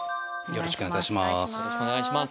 よろしくお願いします。